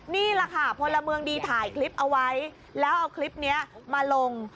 นี่แหละค่ะพลเมืองดีถ่ายคลิปเอาไว้แล้วเอาคลิปนี้มาลง